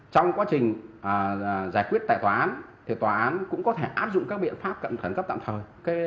trong quá trình giải quyết tại tòa án tòa án cũng có thể áp dụng các biện pháp cận khẩn cấp tạm thời